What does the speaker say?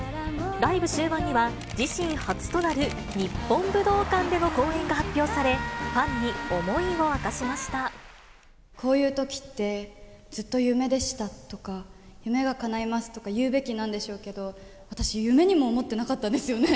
ライブ終盤には、自身初となる日本武道館での公演が発表され、ファンに思いを明かこういうときって、ずっと夢でしたとか、夢がかないますとか言うべきなんでしょうけど、私、夢にも思ってなかったんですよね。